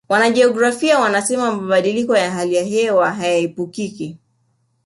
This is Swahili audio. wanajiografia wanasema mabadiliko ya hali ya hewa hayaepukiki